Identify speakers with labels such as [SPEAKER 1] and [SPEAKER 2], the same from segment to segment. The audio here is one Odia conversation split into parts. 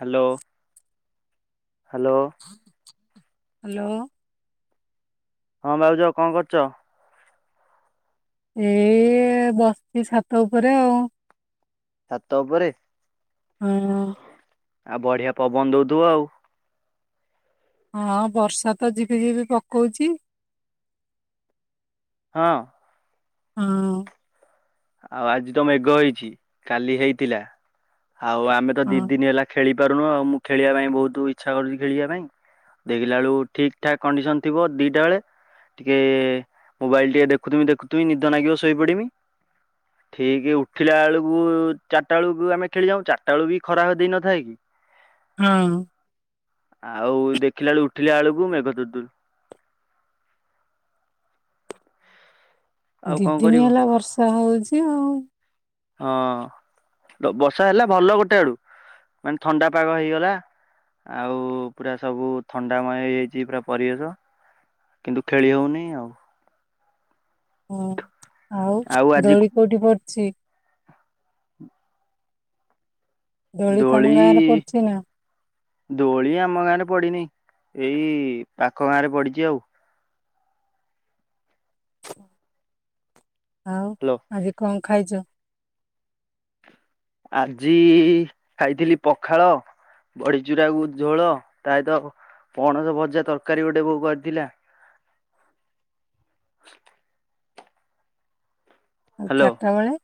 [SPEAKER 1] ହାଲୋ। ହାଲୋ।
[SPEAKER 2] ହାଲୋ।
[SPEAKER 1] ହଁ ଭାଉଜ କଣ କରୁଛ?
[SPEAKER 2] ଏ ଏଇ ବସିଛି ଛାତ ଉପରେ ଆଉ।
[SPEAKER 1] ଛାତ ଉପରେ
[SPEAKER 2] ହଁ।
[SPEAKER 1] ଆ ବଢିଆ ପବନ ଦଉଥିବ ଆଉ।
[SPEAKER 2] ହଁ ବର୍ଷା ତ ଝିପି ଝିପି ପକଉଚି।
[SPEAKER 1] ହଁ।
[SPEAKER 2] ହଁ।
[SPEAKER 1] ଆଉ ଆଜି ତ ମେଘ ହେଇଛି କାଲି ହେଇଥିଲା ଆଉ ଆମେ ତ
[SPEAKER 2] ହଁ।
[SPEAKER 1] ଦି ଦିନ ହେଲା ଖେଳି ପାରୁନୁ ଆଉ ମୁଁ ଖେଳିବା ପାଇଁ ବହୁତ ଇଚ୍ଛା କରୁଛି ଖେଳିବା ପାଇଁ। ଦେଖିଲା ବେଳୁ ଠିକ୍‌ ଠାକ୍ କଣ୍ଡିସନ ଥିବ ଦିଟା ବେଳେ। ଟିକେ ମୋବାଇଲ ଟିକେ ଦେଖୁଥିମି ଦେଖୁଥିମି ନିଦ ନାଗିବ ଶୋଇପଡିମି। ଠିକ୍ ଉଠିଲା ଆଳକୁ ଚାରିଟା ବେଳକୁ ଆମେ ଖେଳିଯାଉ ଚାରିଟା ବେଳକୁ ବି ଖରା ଦେଇ ନଥାଏ କି।
[SPEAKER 2] ହଁ।
[SPEAKER 1] ଆଉ ଦେଖିଲା ବେଳୁ ଉଠିଲା ବେଳକୁ ମେଘ ଦୁରୁ ଦୁରୁ। ଆଉ
[SPEAKER 2] ଦି
[SPEAKER 1] କଣ
[SPEAKER 2] ଦିନି
[SPEAKER 1] କରିବ
[SPEAKER 2] ହେଲା ବର୍ଷା ହଉଛି ଆଉ।
[SPEAKER 1] ହଁ। ବର୍ଷା ହେଲା ଭଲ ଗୋଟେ ଆଡୁ ମାନେ ଥଣ୍ଡା ପାଗ ହେଇଗଲା। ଆଉ ପୁରା ସବୁ ଥଣ୍ଡାମୟ ହେଇଯାଇଛି ପୁରା ପରିବେଶ। କିନ୍ତୁ ଖେଳି ହଉନି ଆଉ।
[SPEAKER 2] ହଁ ଆଉ ଦୋଳି କୋଉଠି ପଡିଛି। ଦୋଳି ତମ ଗାଁରେ ପଡିଛି ନା।
[SPEAKER 1] ଦୋଳି ଆମ ଗାଁରେ ପଡିନି ଏଇ ପାଖ ଗାଁ ରେ ପଡିଛି ଆଉ।
[SPEAKER 2] ଆଉ
[SPEAKER 1] ହ୍ୟାଲୋ
[SPEAKER 2] ଆଜି କଣ ଖାଇଛ?
[SPEAKER 1] ଆଜି ଖାଇଥିଲି ପଖାଳ। ବଢିଚୁରାକୁ ଝୋଳ ତାସହିତ ପଣସ ଭଜା ତରକାରୀ ଗୋଟେ ବୋଉ କରିଥିଲା। [inaudible]
[SPEAKER 2] ଆଉ ଚାରିଟା
[SPEAKER 1] ହ୍ୟାଲୋ
[SPEAKER 2] ବେଳେ।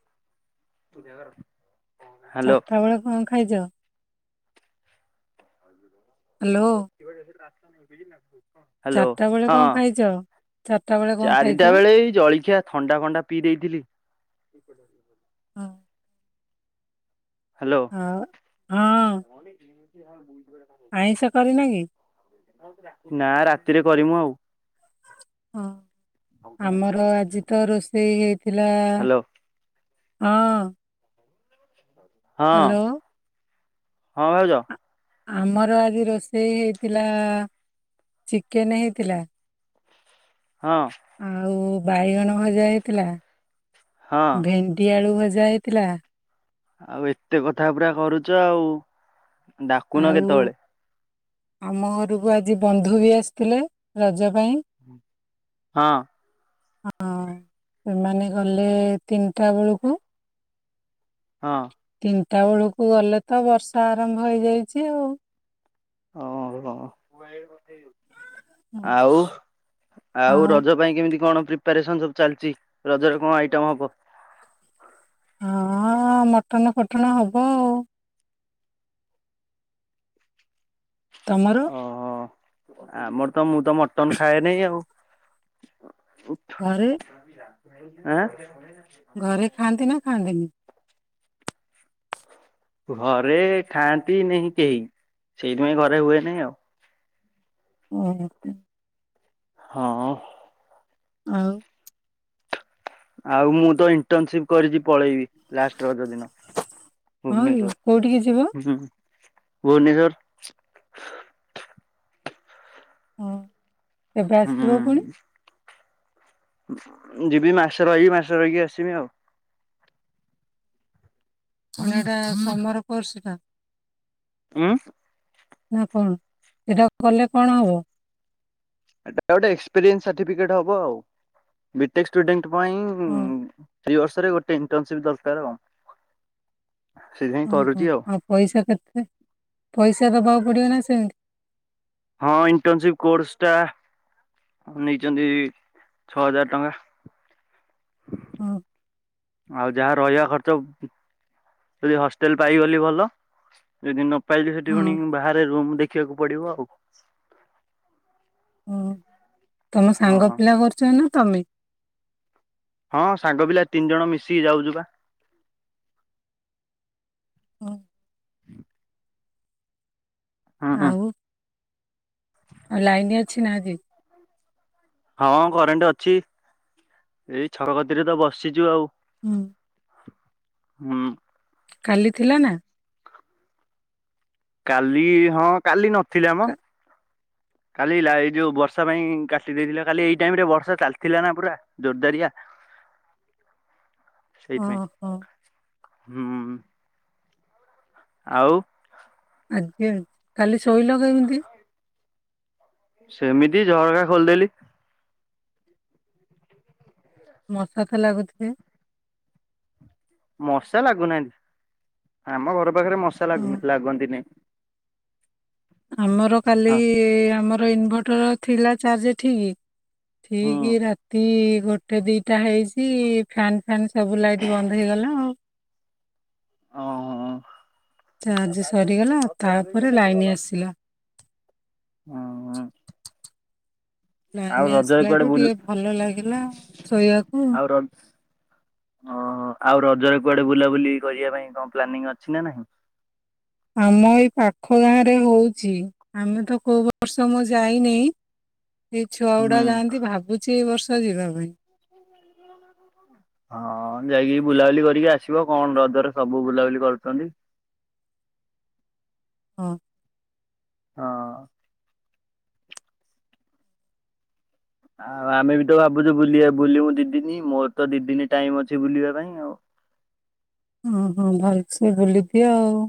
[SPEAKER 1] [inaudible] ହ୍ୟାଲୋ
[SPEAKER 2] ଚାରିଟା ବେଳେ କଣ ଖାଇଛ? ହାଲୋ।
[SPEAKER 1] [inaudible] ହାଲୋ
[SPEAKER 2] ଚାରିଟା ବେଳେ କଣ
[SPEAKER 1] ହଁ
[SPEAKER 2] ଖାଇଛ ଚାରିଟା ବେଳେ କଣ ଖାଇଛ
[SPEAKER 1] ଚାରିଟା ବେଳେ ଏଇ ଜଳଖିଆ ଥଣ୍ଡା ଫଣ୍ଡା ପିଇ ଦେଇଥିଲି।
[SPEAKER 2] ହଁ।
[SPEAKER 1] ହାଲୋ।
[SPEAKER 2] ଆଉ ହଁ ଆଇଁଷ କରିନ କି?
[SPEAKER 1] ନା ରାତିରେ କରିମୁ ଆଉ।
[SPEAKER 2] ହଁ ଆମର ଆଜି ତ ରୋଷେଇ ହେଇଥିଲା।
[SPEAKER 1] ହ୍ୟାଲୋ
[SPEAKER 2] ହଁ।
[SPEAKER 1] ହଁ
[SPEAKER 2] ହ୍ୟାଲୋ
[SPEAKER 1] ହଁ ଭାଉଜ।
[SPEAKER 2] ଆ- ଆମର ଆଜି ରୋଷେଇ ହେଇଥିଲା। ଚିକେନ ହେଇଥିଲା।
[SPEAKER 1] ହଁ।
[SPEAKER 2] ଆଉ ବାଇଗଣ ଭଜା ହେଇଥିଲା
[SPEAKER 1] ହଁ।
[SPEAKER 2] ଭେଣ୍ଡି ଆଳୁ ଭଜା ହେଇଥିଲା।
[SPEAKER 1] ଆଉ ଏତେ କଥା ପୁରା କରୁଛ, ଆଉ ଡାକୁନ
[SPEAKER 2] ଆଉ
[SPEAKER 1] କେତେବେଳେ।
[SPEAKER 2] ଆମ ଘରକୁ ଆଜି ବନ୍ଧୁ ବି ଆସିଥିଲେ ରଜ ପାଇଁ।
[SPEAKER 1] ହଁ।
[SPEAKER 2] ହଁ ସେମାନେ ଗଲେ ତିନିଟା ବେଳକୁ।
[SPEAKER 1] ହଁ।
[SPEAKER 2] ତିନିଟା ବେଳକୁ ଗଲେ ତ ବର୍ଷା ଆରମ୍ଭ ହେଇଯାଇଛି ଆଉ।
[SPEAKER 1] ହଁ ହଁ
[SPEAKER 2] ହୁଁ।
[SPEAKER 1] ଆଉ ଆଉ ରଜ ପାଇଁ କେମିତି କଣ ପ୍ରିପାରେସନ ସବୁ ଚାଲିଛି ରଜରେ କଣ ଆଇଟମ ହବ।
[SPEAKER 2] ହଁ ମଟନ ଫଟନ ହବ ଆଉ। ତମର
[SPEAKER 1] ଅହ ଆମର ତ ମୁଁ ତ ମଟନ ଖାଏନେଇ ଆଉ।
[SPEAKER 2] ଘରେ?
[SPEAKER 1] ଆଁ।
[SPEAKER 2] ଘରେ ଖାଆନ୍ତି ନା ଖାଆନ୍ତିନି?
[SPEAKER 1] ଘରେ ଖାଆନ୍ତି ନାହିଁ କେହି ସେଇଥିପାଇଁ ଘରେ ହୁଏ ନେଇଁ ଆଉ।
[SPEAKER 2] ଉଁ ହୁଁ।
[SPEAKER 1] ହଁ।
[SPEAKER 2] ଆଉ।
[SPEAKER 1] ଆଉ ମୁଁ ତ ଇଣ୍ଟନସିପ କରିଛି ପଳେଇବି। ଲାଷ୍ଟ ରଜ ଦିନ।
[SPEAKER 2] ହଁ କି
[SPEAKER 1] ଭୁବନେଶ୍ଵର
[SPEAKER 2] କୋଉଠିକି ଯିବ
[SPEAKER 1] ହୁଁ ହୁଁ ହୁଁ ଭୁବନେଶ୍ଵର
[SPEAKER 2] ହଁ। କେବେ
[SPEAKER 1] ହୁଁ
[SPEAKER 2] ଆସିବ ପୁଣି
[SPEAKER 1] ଯିବି ମାସେ ରହିବି ମାସେ ରହିକି ଆସିବି ଆଉ।
[SPEAKER 2] କଣ ଏରା ମମର କୋର୍ସ ଟା?
[SPEAKER 1] ଉଁ।
[SPEAKER 2] ନାଁ କଣ, ଏଟା କଲେ କଣ ହବ?
[SPEAKER 1] ଏଟା ଗୋଟେ ଏକ୍ସପ୍ରିଏନ୍ସ ସର୍ଟିଫିକେଟ୍ ହବ ଆଉ। ଵିଟେକ୍ ଷ୍ଟୁଡେଣ୍ଟ ପାଇଁ
[SPEAKER 2] ହଁ
[SPEAKER 1] ଥ୍ରୀ ବର୍ଷରେ ଗୋଟେ ଇଣ୍ଟରନସିପ ଦରକାର। ସେଇଥିପାଇଁ କରୁଛି
[SPEAKER 2] ଓହୋ ଆଉ ପଇସା କେତେ? ପଇସା ଦବାକୁ ପଡିବ ନା ସେମିତି।
[SPEAKER 1] ହଁ ଇଣ୍ଟନସିପ କୋର୍ସଟା ନେଇଛନ୍ତି, ଛଅ ହଜାର ଟଙ୍କା।
[SPEAKER 2] ହଁ।
[SPEAKER 1] ଆଉ ଯାହା ରହିବା ଖର୍ଚ୍ଚ ଯଦି ହଷ୍ଟେଲ ପାଇଗଲି ଭଲ। ଯଦି ନ ପାଇଲିି ସେଠି
[SPEAKER 2] ହଁ
[SPEAKER 1] ଫୁଣି ବାହାରେ ରୁମ୍ ଦେଖିବାକୁ ପଡିବ ଆଉ।
[SPEAKER 2] ହୁଁ ତମ ସାଙ୍ଗ
[SPEAKER 1] ହଁ।
[SPEAKER 2] ପିଲା କରୁଛନ୍ତି ନା ତମେ?
[SPEAKER 1] ହଁ ସାଙ୍ଗ ପିଲା ତିନି ଜଣ ମିଶିକି ଯାଉଛୁ ବା।
[SPEAKER 2] ହଁ।
[SPEAKER 1] ହୁଁ ହୁଁ
[SPEAKER 2] ଆଉ। ଆଉ ଲାଇନ ଅଛି ନା ଆଜି?
[SPEAKER 1] ହଁ କରେଣ୍ଟ ଅଛି। ଏଇ ଛକ କତିରେ ତ ବସିଛୁ ଆଉ।
[SPEAKER 2] ହୁଁ।
[SPEAKER 1] ହୁଁ।
[SPEAKER 2] କାଲି ଥିଲା ନା?
[SPEAKER 1] କାଲି ହଁ। କାଲି ନଥିଲା ମ।
[SPEAKER 2] କା-
[SPEAKER 1] କାଲି ଲାଇ ଯଉ ବର୍ଷା ପାଇଁ କାଟି ଦେଇଥିଲା କାଲି ଏଇ ଟାଇମ ରେ ବର୍ଷା ଚାଲିଥିଲା ନା ପୁରା। ଜୋରଦାରିଆ ସେଇଥିପାଇଁ।
[SPEAKER 2] ଓହୋ
[SPEAKER 1] ହୁଁ ଆଉ।
[SPEAKER 2] ଆଜ୍ଞା। କାଲି ଶୋଇଲ କେମିତି?
[SPEAKER 1] ସେମିତି ଝରକା ଖୋଲିଦେଲି।
[SPEAKER 2] ମଶାତ ଲାଗୁଥିବେ?
[SPEAKER 1] ମଶା ଲାଗୁନାହାଁନ୍ତି। ଆମ ଘର ପାଖରେ ମଶା
[SPEAKER 2] ହଁ।
[SPEAKER 1] ଲାଗୁ ଲାଗନ୍ତି ନାଇଁ।
[SPEAKER 2] ଆମର କାଲି ଇ ଆମର ଇନଭର୍ଟର ଥିଲା ଚାର୍ଜ ଠିକ
[SPEAKER 1] ହୁଁ
[SPEAKER 2] ଠିକ ରାତି ଗୋଟେ ଦିଟା ହେଇଛି ଫ୍ୟାନ ଫ୍ୟାନ ସବୁ ଲାଇଟ୍ ବନ୍ଦ ହେଇଗଲା ଆଉ।
[SPEAKER 1] ଓହୋ।
[SPEAKER 2] ଚାର୍ଜ ସରିଗଲା। ତାପରେ ଲାଇନ ଆସିଲା।
[SPEAKER 1] ହୁଁ
[SPEAKER 2] ଲାଇନ
[SPEAKER 1] ଆଉ ରଜରେ
[SPEAKER 2] ଆସିଲାଠୁ
[SPEAKER 1] କୁଆଡେ ବୁଲ
[SPEAKER 2] ଟିକେ ଭଲ ଲାଗିଲା ଶୋଇବାକୁ
[SPEAKER 1] ଆଉ ର ଓହୋ ଆଉ ରଜରେ କୁଆଡେ ବୁଲାବୁଲି କରିବା ପାଇଁ କଣ ପ୍ଲାନିଂ ଅଛି ନା ନାହିଁ?
[SPEAKER 2] ଆମ ଏଇ ପାଖ ଗାଁରେ ହଉଚି ଆମେ ତ କୋଉ ବର୍ଷ ମୁଁ ଯାଇନେଇ ଏଇ ଛୁଆ
[SPEAKER 1] ହୁଁ
[SPEAKER 2] ଗୁଡା ଯାଆନ୍ତି। ଭାବୁଛି ଏଇ ବର୍ଷ ଯିବା ପାଇଁ।
[SPEAKER 1] [inaudible] ହଁ ଯାଇକି ବୁଲାବୁଲି କରିକି ଆସିବ। କଣ ରଜରେ ସବୁ ବୁଲାବୁଲି କରୁଛନ୍ତି।
[SPEAKER 2] ହଁ।
[SPEAKER 1] ହଁ। ଆଉ ଆମେ ବି ତ ଭାବୁଛୁ ବୁଲିବା ବୁଲିବୁ ଦି ଦିନି ମୋର ତ ଦି ଦିନ ଟାଇମି ଅଛି ବୁଲିବା ପାଇଁ ଆଉ।
[SPEAKER 2] ଓହୋ ଭଲସେ ବୁଲିଦିଅ ଆଉ।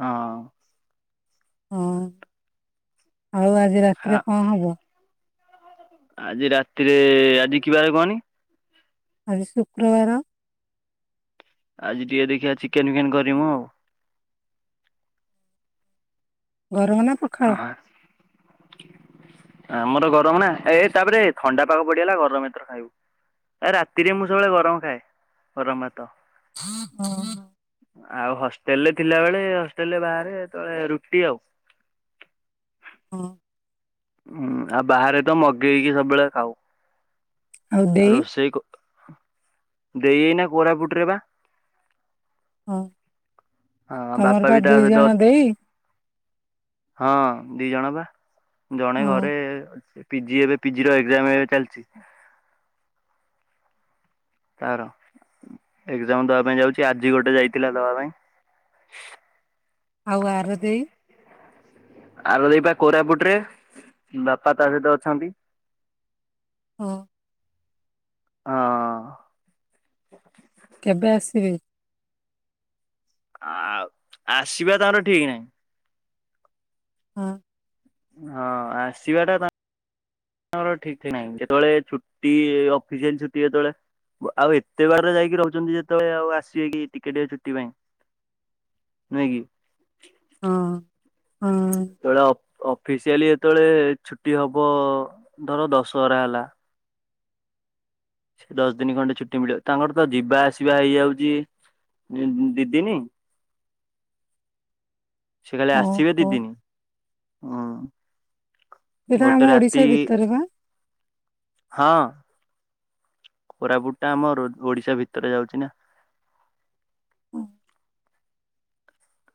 [SPEAKER 1] ହଁ
[SPEAKER 2] ହଁ ଆଉ ଆଜି
[SPEAKER 1] ଆ
[SPEAKER 2] ରାତିରେ କଣ ହବ?
[SPEAKER 1] ଆଜି ରାତିରେ ଆଜି କିବାରେ କହନି?
[SPEAKER 2] ଆଜି ଶୁକ୍ରବାର।
[SPEAKER 1] ଆଜି ଟିକେ ଦେଖିବା ଚିକେନ ଫିକେନ୍ କରିବି ମୁଁ ଆଉ।
[SPEAKER 2] ଗରମ ନା କ
[SPEAKER 1] ଆଁ। ଆମର ଗରମ ନା ଏଇ ତାପରେ ଥଣ୍ଡା ପାଗ ପଡିଗଲା ଗରମ ଏଥର ଖାଇବୁ। ଆ ରାତିରେ ମୁଁ ସବୁବେଳେ ଗରମ ଖାଏ ଗରମ ଭାତ।
[SPEAKER 2] ହଁ ହଁ।
[SPEAKER 1] ଆଉ ହଷ୍ଟେଲ ରେ ଥିଲା ବେଳେ ହଷ୍ଟେଲ ରେ ବାହାରେ ତ ରୁଟି ଆଉ।
[SPEAKER 2] ହଁ।
[SPEAKER 1] ହୁଁ ଆଉ ବାହାରେ ତ ମଗେଇକି ସବୁବେଳେ ଖାଉ। ଆଉ ରୋଷେଇ ଦେଇ ଏଇନା କୋରାପୁଟ ରେ ବା।
[SPEAKER 2] ହଁ
[SPEAKER 1] ହଁ ବାପା
[SPEAKER 2] ତମର
[SPEAKER 1] ବି
[SPEAKER 2] ପା
[SPEAKER 1] ତା
[SPEAKER 2] ଦୁଇ
[SPEAKER 1] ସହିତ
[SPEAKER 2] ଜଣ ଦେଇ।
[SPEAKER 1] ହଁ ଦି ଜଣ ବା ଜଣେ
[SPEAKER 2] ହଁ
[SPEAKER 1] ଘରେ ଅଛି। ପିଜି ଏବେ ପିଜି ର ଏକ୍ଜାମ ଏବେ ଚାଲିଛି। ତାର ଏକ୍ସାମ ଦବା ପାଇଁ ଯାଉଛି ଆଜି ଗୋଟେ ଯାଇଥିଲା ଦବା ପାଇଁ।
[SPEAKER 2] ଆଉ ଆର ଦେଇ।
[SPEAKER 1] ଆର ଦେଇ ପା କୋରାପୁଟ ରେ ବାପା ତା ସହିତ ଅଛନ୍ତି।
[SPEAKER 2] ହଁ।
[SPEAKER 1] ହଁ।
[SPEAKER 2] କେବେ ଆସିବେ?
[SPEAKER 1] ଆଉ ଆସିବା ତାଙ୍କର ଠିକ ନାହିଁ।
[SPEAKER 2] ହଁ।
[SPEAKER 1] ହଁ ଆସିବା ଟା ଆମର ଠିକ ଠି ନାହିଁ ଯେତେବେଳେ ଛୁଟି ଅଫିସିଆଲି ଛୁଟି ଯେତେବେଳେ। ଆଉ ଏତେ ବାଟରେ ଯାଇକି ରହୁଛନ୍ତି ଯେତେବେଳେ ଆଉ ଆସିବେ କି ଟିକେ ଟିକେ ଛୁଟି ପାଇଁ। ନୁହେଁ କି।
[SPEAKER 2] ହଁ ହଁ।
[SPEAKER 1] ଯେତେବେଳେ ଅଫିସିଆଲି ଯେତେବେଳେ ଛୁଟି ହବ ଧର ଦଶହରା ହେଲା। ସେ ଦଶ ଦିନ ଖଣ୍ଡେ ଛୁଟି ମିଳିବ ତାଙ୍କର ତ ଯିବା ଆସିବା ହେଇଯାଉଛି। ଦି ଦିନି। ସେ ଖାଲି ଆସିବେ ଦି
[SPEAKER 2] ଓହୋ
[SPEAKER 1] ଦିନି ହୁଁ
[SPEAKER 2] ଏଇଟା ଆମ
[SPEAKER 1] ଗୋଟେ
[SPEAKER 2] ଓଡିଶା
[SPEAKER 1] ରାତି।
[SPEAKER 2] ଭିତରେ ବା
[SPEAKER 1] ହଁ କୋରାପୁଟ ଟା ଆମର ଓଡିଶା ଭିତରେ ଯାଉଛି ନା।
[SPEAKER 2] ହୁଁ।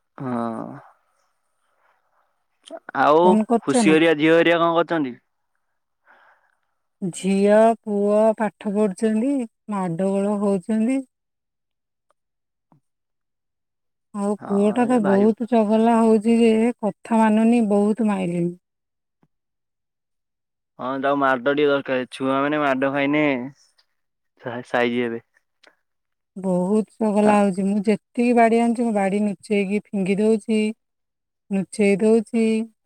[SPEAKER 1] ହଁ। ଆଉ
[SPEAKER 2] ଫୋନ କରୁଛ
[SPEAKER 1] ଖୁସି
[SPEAKER 2] ନା
[SPEAKER 1] ହରିକା ଝିଅ ହରିକା କଣ କରୁଛନ୍ତି?
[SPEAKER 2] ଝିଅ ପୁଅ ପାଠ ପଢୁଛନ୍ତି ମାଡଗୋଳ ହଉଛନ୍ତି। ଆଉ ପୁଅ
[SPEAKER 1] ହଁ
[SPEAKER 2] ଟା ତ
[SPEAKER 1] ଏ ଭାଇ
[SPEAKER 2] ବହୁତ ଚଗଲା ହଉଛି ଯେ କଥା ମାନୁନି ବହୁତ ମାଇଲିନି।
[SPEAKER 1] ହିଁ ତାକୁ ମାଡ଼ ଟିକେ ଦରକାର ଛୁଆ ମାନେ ମାଡ଼ ଖାଇଲେ ସାଇଜି ହେବେ।
[SPEAKER 2] ବହୁତ
[SPEAKER 1] ତା
[SPEAKER 2] ଚଗଲା ହଉଛି ମୁଁ ଯେତିକି ବାଡି ଆଣୁଛି ମ ବାଡି ଲୁଚେଇକି ଫିଙ୍ଗି ଦଉଛି। ନୁଚେଇ ଦଉଛି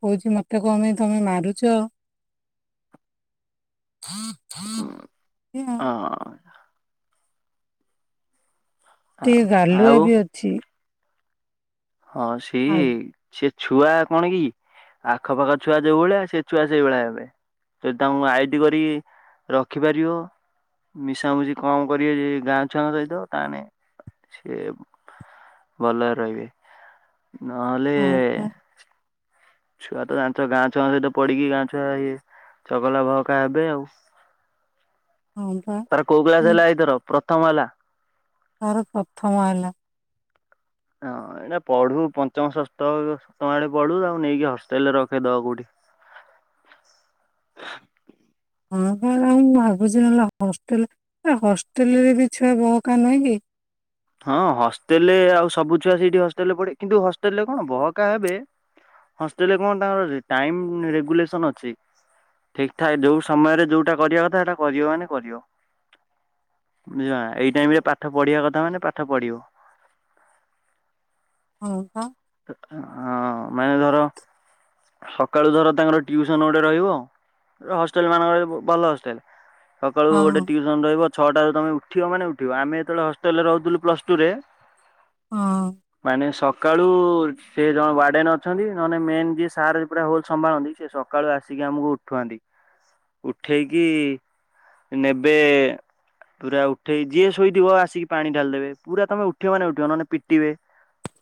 [SPEAKER 2] କହୁଛି ମତେ କପାଇଁ ତମେ ମାରୁଛ। ହଁ।
[SPEAKER 1] ହୁଁ ହଁ।
[SPEAKER 2] ଟିକେ ଗାଲୁଆ
[SPEAKER 1] ଆଉ
[SPEAKER 2] ବି ଅଛି।
[SPEAKER 1] ହଁ ସେ
[SPEAKER 2] ଆ
[SPEAKER 1] ସେ ଛୁଆ କଣ କି ଆଖପାଖ ଛୁଆ ଯୋଉ ଭଳିଆ ସେ ଛୁଆ ସେଇ ଭଳିଆ ହେବେ। ଯଦି ତାଙ୍କୁ ଆଇତି କରି ରଖିପାରିବ। ମିଶାମୁଶି କମ କରିବେ ଯେ ଗାଁ ଛୁଆଙ୍କ ସହିତ ତାହାନେ ସିଏ ଭଲରେ ରହିବେ ନହେଲେ
[SPEAKER 2] ହଁ ପା
[SPEAKER 1] ଛୁଆ ତ ଜାଣିଛ ଗାଁ ଛୁଆଙ୍କ ସହିତ ପଡିକି ଗାଁ ଛୁଆ ଇଏ ଚଗଲା ଭହକା ହେବେ ଆଉ।
[SPEAKER 2] ହଁ ପା
[SPEAKER 1] ତାର କୋଉ କ୍ଲାସ୍
[SPEAKER 2] ହୁଁ
[SPEAKER 1] ହେଲା ଏଇଥର ପ୍ରଥମ ହେଲା?
[SPEAKER 2] ତାର ପ୍ରଥମ ହେଲା।
[SPEAKER 1] ହଁ ଏଇଟା ପଢୁ ପଞ୍ଚମ ଷଷ୍ଠ ସପ୍ତମ ଆଡେ ପଢୁ ଆଉ ନେଇକି ହଷ୍ଟେଲ ରେ ରଖେଇଦବ କୋଉଠି।
[SPEAKER 2] ହଁ ବା ଆଉ ମୁଁ ଭାବୁଛି ନହଲେ ହଷ୍ଟେଲ ଏ ହଷ୍ଟେଲରେ ବି ଛୁଆ ବହକା ନୁହିଁକି।
[SPEAKER 1] ହଁ ହଷ୍ଟେଲ ରେ ଆଉ ସବୁ ଛୁଆ ସେଇଠି ହଷ୍ଟେଲରେ ପଢିବେ। କିନ୍ତୁ ହଷ୍ଟେଲ ରେ କଣ ବହକା ହେବେ ହଷ୍ଟେଲରେ କଣ ତାଙ୍କର ଟାଇମ ରେଗୁଲେସନ ଅଛି। ଠିକ୍ ଠାକ ଯୋଉ ସମୟରେ ଯୋଉଟା କରିବା କଥା। ହେଇଟା କରିବ ମାନେ କରିବ। ବୁଝିଲ ନା, ଏଇ ଟାଇମରେ ପାଠ ପଢିବା କଥା ମାନେ ପାଠ ପଢିବ।
[SPEAKER 2] ହଁ ପା।
[SPEAKER 1] ହଁ ମାନେ ଧର ସକାଳୁ ଧର ତାଙ୍କର ଟିଉସନ ଗୋଟେ ରହିବ। ର ହଷ୍ଟେଲ ମାନଙ୍କ ଭଲ ହଷ୍ଟେଲ। ସକାଳୁ
[SPEAKER 2] ହଁ
[SPEAKER 1] ଗୋଟେ ଟିଉ ସନ୍ ରହିବ ଛଅଟାରୁ ତମେ ଉଠିବ ମାନେ ଉଠିବ। ଆମେ ଯେତେବେଳେ ହଷ୍ଟେଲ ରେ ରହୁଥିଲୁ ପ୍ଲସ ଟୁ ରେ
[SPEAKER 2] ହଁ
[SPEAKER 1] ମାନେ ସକାଳୁ କାଳୁ ସେ ଜଣେ ୱାର୍ଡେନ ଅଛନ୍ତି। ନହେଲେ ମେନ୍ ଯିଏ ସାର୍ ପୁରା ହୋଲ ସମ୍ଭାଳନ୍ତି। ସେ ସକାଳୁ ଆସିକି ଆମକୁ ଉଠ ଉଠଅନ୍ତି ଉଠେଇକି ନେବେ ପୁରା ଉଠେଇ ଯିଏ ଶୋଇଥିବ ଆସିକି ପାଣି ଢାଲିଦେବେ। ପୂରା ତମେ ଉଠିବ ମାନେ ଉଠିବ ନହେଲେ ପିଟିବେ।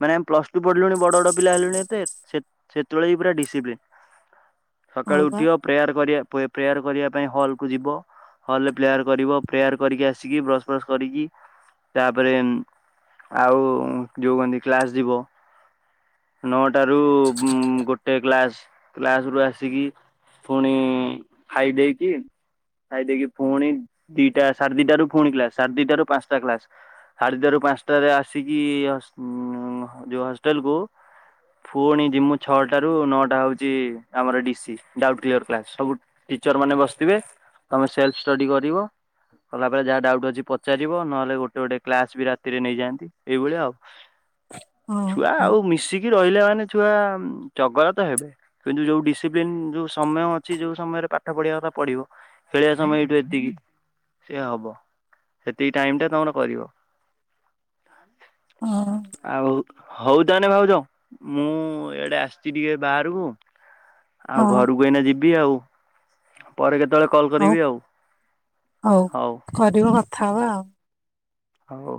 [SPEAKER 1] ମାନେ ଆମେ ପ୍ଳସ ଟୁ ପଢିଲୁଣି ବଡ ବଡ଼ ପିଲା ହେଲୁଣି ଏତେ ସେ ସେତେବେଳେ ବି ପୁରା ଡିସିପ୍ଲିନ୍।
[SPEAKER 2] ହଁ
[SPEAKER 1] ସକାଳୁ
[SPEAKER 2] ପା
[SPEAKER 1] ଉଠିବ ପ୍ରେୟାର କରିବା ପ୍ରେ ପ୍ରେୟାର କରିବା ପାଇଁ ହଲକୁୁ ଯିବ। ହଲରେ ପ୍ରେୟାର କରିବ। ପ୍ରେୟାର କରିକି ଆସିକି ବ୍ରସ ଫ୍ରସ କରିକି ତାପରେ ଆଉ ଯୋଉ କଣ ତି କ୍ଲାସ ଯିବ। ନଅଟାରୁ ଉଁ ଗୋଟେ କ୍ଲାସ। କ୍ଲାସ ରୁ ଆସିକି ପୁଣି ଖାଇ ଦେଇକି ଖାଇଦେଇକି ପୁଣି ଦିଟା ସାଢେ ଦିଟରାରୁ ପୁଣି କ୍ଲାସ। ସାଢ଼େ ଦିଟାରୁ ପାଞ୍ଚଟା କ୍ଲାସ। ସାଢେ ଦିଟାରୁ ପାଞ୍ଚଟାରେ ଆସିକି ହସ୍ ଉଁ ଯେଉ ହଷ୍ଟେଲ କୁ ପୁଣି ଯିମୁ ଛଅଟାରୁ ନଅଟା ହଉଛି ଆମର, ଡିସି ଡାଉଟ୍ କ୍ଲିୟର କ୍ଲାସ୍ ସବୁ ଟିଚର ମାନେ ବସିଥିବେ ତମେ ସେଲ୍ଫ ଷ୍ଟଡି କରିବ। କଲାପରେ ଯାହା ଡାଉଟ୍ ଅଛି ପଚାରିବ। ନହେଲେ ଗୋଟେ ଗୋଟେ କ୍ଲାସ ବି ରାତିରେ ନେଇଯାଆନ୍ତି। ଏଇଭଳିଆ ଆଉ।
[SPEAKER 2] ହଁ।
[SPEAKER 1] ଛୁଆ
[SPEAKER 2] ହଁ
[SPEAKER 1] ଆଉ ମିଶିକି ରହିଲା ମାନେ ଛୁଆ ଚଗଲା ତ ହେବେ। କିନ୍ତୁ ଯୋଉ ଡିସିପ୍ଲିନ ଯୋଉ ସମୟ ଅଛି ଯୋଉ ସମୟରେ ପାଠ ପଢିବା କଥା ପଢିବ। ଖେଳିବା ସମୟ ଏଇଠୁ ଏତିକି, ସେ ହବ ସେତିକି ଟାଇମ ଟା ତମର କରିବ।
[SPEAKER 2] ହଁ।
[SPEAKER 1] ଆଉ ହଉ ତାହାନେ ଭାଉଜ। ମୁଁ ଇଆଡେ ଆସିଛି ଟିକେ ବାହାରକୁ ଆଉ
[SPEAKER 2] ହଉ
[SPEAKER 1] ଘରକୁ ଏଇନା ଯିବି ଆଉ। ପରେ କେତେବେଳେ କଲ୍
[SPEAKER 2] ହଉ
[SPEAKER 1] କରିବି ଆଉ
[SPEAKER 2] ହଉ କରିବ କଥାହବା ଆଉ।
[SPEAKER 1] ହୋଉ।